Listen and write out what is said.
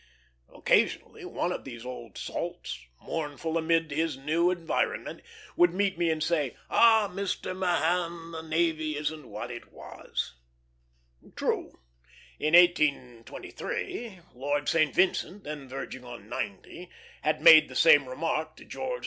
Occasionally one of these old salts, mournful amid his new environment, would meet me, and say, "Ah! Mr. Mahan, the navy isn't what it was!" True, in 1823, Lord St. Vincent, then verging on ninety, had made the same remark to George IV.